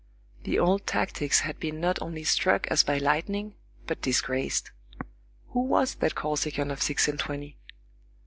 The old tactics had been not only struck as by lightning, but disgraced. Who was that Corsican of six and twenty?